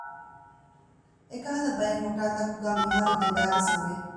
އެކަހަލަ ބައެއް ހޮޓާ ތަކުގައި މިހާރު ދެބައި ވެސް އޮވެ